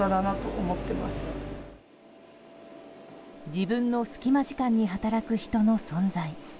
自分の隙間時間に働く人の存在。